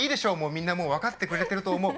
みんな分かってくれてると思う。